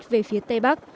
về phía tây bắc